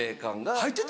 入ってた？